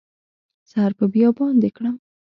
سر په بیابان دې کړم